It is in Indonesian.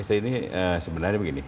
st ini sebenarnya begini